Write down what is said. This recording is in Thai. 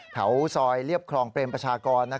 แถวซอยเรียบครองเปรมประชากร